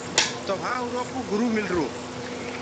تو وهآنٚ اُرو ڪو گرُ ملرو۔